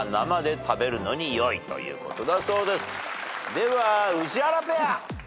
では宇治原ペア。